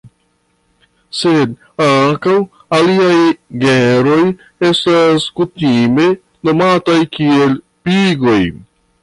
Sed ankaŭ aliaj genroj estas kutime nomataj kiel "pigoj".